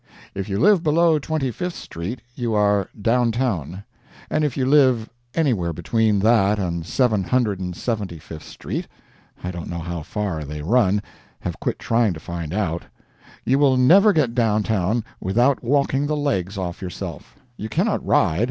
If you live below Twenty fifth street, you are "down town;" and if you live anywhere between that and Seven Hundred and Seventy fifth street (I don't know how far they run—have quit trying to find out), you will never get down town with out walking the legs off yourself. You cannot ride.